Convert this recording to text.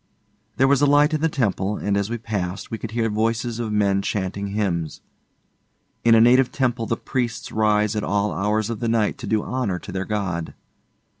There was a light in the temple, and as we passed, we could hear voices of men chanting hymns. In a native temple, the priests rise at all hours of the night to do honour to their god.